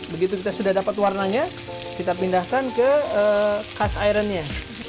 begitu kita sudah dapat warnanya kita pindahkan ke kas ironnya